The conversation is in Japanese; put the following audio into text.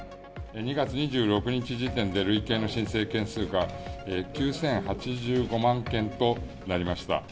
２月２６日時点で、累計の申請件数が９０８５万件となりました。